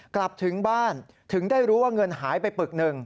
กลับถึงบ้านถึงได้รู้ว่าเงินหายไปปึกหนึ่ง